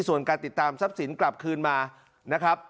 ส่วนการติดตามทรัพย์สินกลับคืนมานะครับ